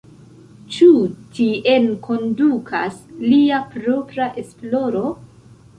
Ĉu tien kondukas lia propra esploro?